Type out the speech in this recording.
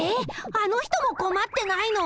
あの人もこまってないの。